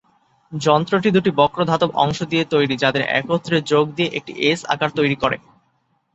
যন্ত্রটি দুটি বক্র ধাতব অংশ দিয়ে তৈরি, যাদের একত্রে যোগ দিয়ে একটি "এস" আকার তৈরি করে।